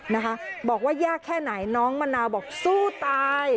นะคะบอกว่ายากแค่ไหนน้องมะนาวบอกสู้ตาย